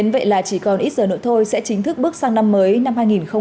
vậy là chỉ còn ít giờ nữa thôi sẽ chính thức bước sang năm mới năm hai nghìn hai mươi